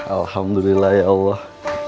alhamdulillah ya allah